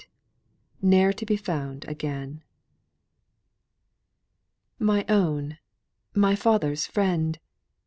"NE'ER TO BE FOUND AGAIN." "My own, my father's friend!